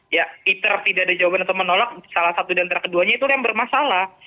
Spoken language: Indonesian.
ya thr tidak ada jawaban atau menolak salah satu diantara keduanya itu yang bermasalah